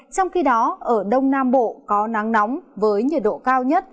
trong khi đó ở đông nam bộ có nắng nóng với nhiệt độ cao nhất